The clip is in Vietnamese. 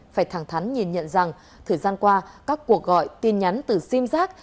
phải thẳng thắn nhìn nhận rằng thời gian qua các cuộc gọi tin nhắn từ sim giác